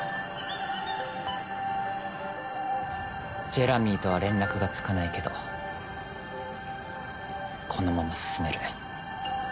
ジェラミーとは連絡がつかないけどこのまま進める。